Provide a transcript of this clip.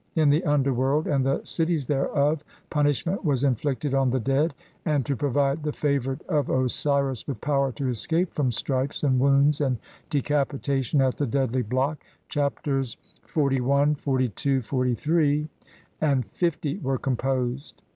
In the under world and the cities thereof punishment was inflicted on the dead, and to provide the favoured of Osiris with power to escape from stripes, and wounds, and decapitation at the deadly block Chapters XLI, XLII, XLIII, and L were composed.